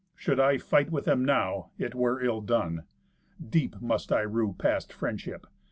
Should I fight with them now, it were ill done. Deep must I rue past friendship.